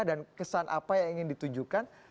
dan kesan apa yang ingin ditunjukkan